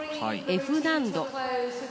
Ｆ難度。